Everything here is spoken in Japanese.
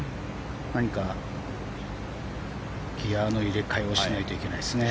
何か、ギアの入れ替えをしないといけないですね。